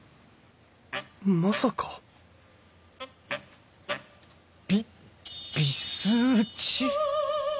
まさかビビス打ち。